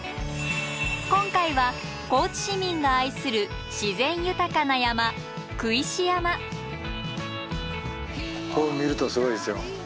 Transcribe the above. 今回は高知市民が愛する自然豊かな山こう見るとすごいですよ。